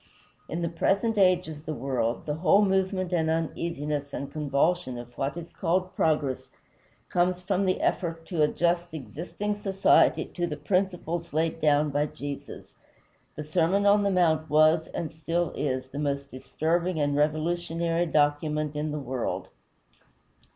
In the present age of the world, the whole movement and uneasiness and convulsion of what is called progress comes from the effort to adjust existing society to the principles laid down by Jesus. The Sermon on the Mount was, and still is, the most disturbing and revolutionary document in the world.